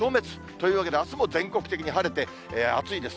というわけで、あすも全国的に晴れて、暑いです。